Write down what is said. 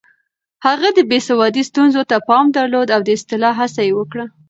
هغه د بې سوادۍ ستونزو ته پام درلود او د اصلاح هڅه يې وکړه.